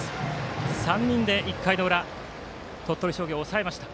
３人で１回裏、鳥取商業を抑えました。